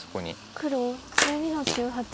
黒１２の十八。